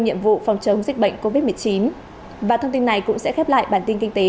nhiệm vụ phòng chống dịch bệnh covid một mươi chín và thông tin này cũng sẽ khép lại bản tin kinh tế